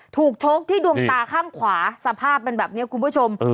ถูกชกที่ดวงตาข้างขวาสภาพเป็นเงี่ยคุณผู้ชม